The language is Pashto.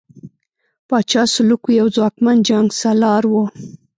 پاچا سلوکو یو ځواکمن جنګسالار وو.